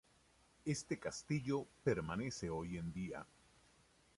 Este castillo permanece hoy en día.